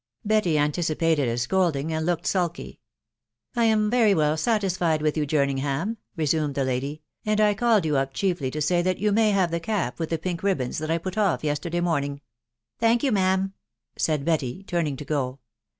Betty anticipated a scolding, and looked sulky. "lam very well satisfied with you, Jerningham," resumed the lady, " and I called you up chiefly to say that yon may have the cap with the pink ribands that I put off yesterday morning." " Thank you, ma'am," said Betty, turning to go.